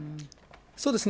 そうですね。